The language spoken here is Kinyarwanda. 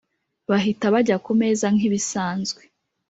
bahita bajya kumeza nkibisanzwe.